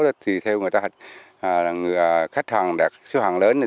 thì theo người ta khách hàng đã siêu hàng lớn